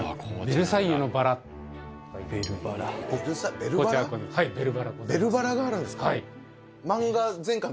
ベルバラがあるんですか。